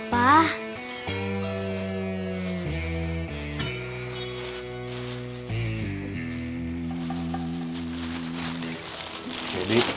papa harus percaya sama jeniper